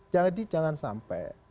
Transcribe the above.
jadi jangan sampai